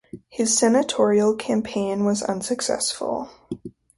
His senatorial campaign was unsuccessful.